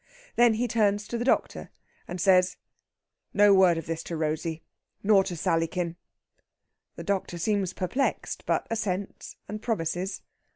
Then he turns to the doctor and says: "Not a word of this to Rosey nor to Sallykin!" The doctor seems perplexed, but assents and promises.